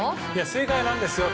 正解なんですよ。